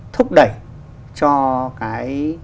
thúc đẩy cho cái